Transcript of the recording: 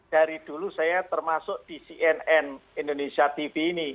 dari dulu saya termasuk di cnn indonesia tv ini